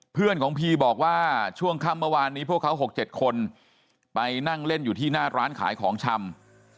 เพื่อนของพีบอกว่าช่วงค่ำเมื่อวานนี้พวกเขา๖๗คนไปนั่งเล่นอยู่ที่หน้าร้านขายของชำ